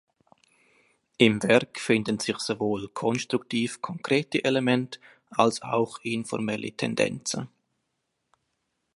Im Werk finden sich sowohl konstruktiv-konkrete Elemente als auch informelle Tendenzen.